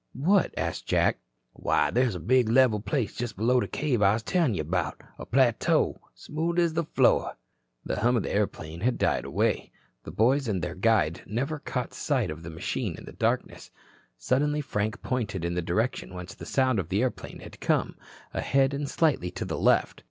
"What?" asked Jack. "Why, there's a big level place just below the cave I was tellin' you 'bout. A plateau. Smooth as a floor." The hum of the airplane had died away. The boys and their guide never had caught sight of the machine in the darkness. Suddenly Frank pointed in the direction whence the sound of the airplane had come, ahead and slightly to the left.